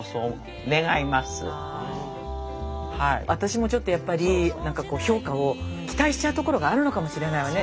私は私もちょっとやっぱりなんかこう評価を期待しちゃうところがあるのかもしれないわね。